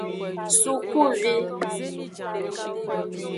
Sukuvi.